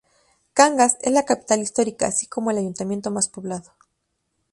Cangas es la capital histórica, así como el ayuntamiento más poblado.